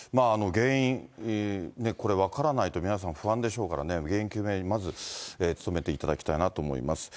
原因、これ、分からないと、皆さん、不安でしょうからね、原因究明にまず努めていただきたいなと思います。